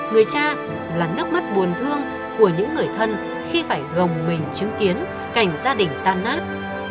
người cha là nước mắt buồn thương của những người thân khi phải gồng mình chứng kiến cảnh gia đình tan nát